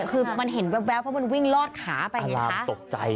คือมันเบลอะไรเขาวิ่งลอดขาไปอย่างงี้